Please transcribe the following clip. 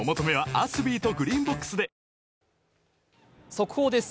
速報です。